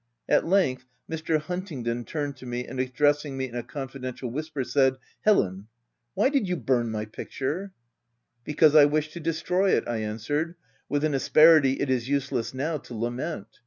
At length, Mr. Huntingdon turned to me, and addressing me in a confidential whisper, said —" Helen, why did you burn my picture V s " Because, I wished to destroy it," I answered, with an asperity it is useless now to lament.